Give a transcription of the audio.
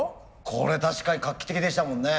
これ確かに画期的でしたもんね。